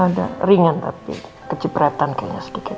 ada ringan tapi kejepretan kayaknya sedikit